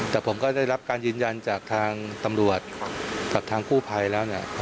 แต่ผมก็ได้รับการยืนยันจากทางตำรวจกับทางกู้ภัยแล้วเนี่ย